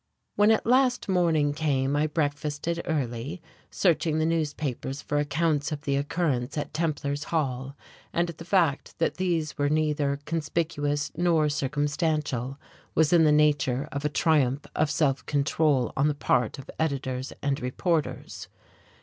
When at last morning came I breakfasted early, searching the newspapers for accounts of the occurrence at Templar's Hall; and the fact that these were neither conspicuous nor circumstantial was in the nature of a triumph of self control on the part of editors and reporters.